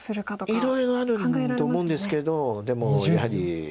いろいろあると思うんですけどでもやはり。